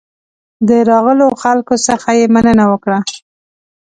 د راغلو خلکو څخه یې مننه وکړه.